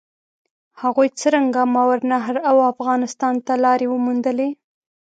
هغوی څرنګه ماورالنهر او افغانستان ته لارې وموندلې؟